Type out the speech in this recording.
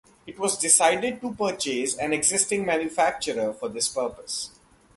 It was decided to purchase an existing manufacturer for this purpose.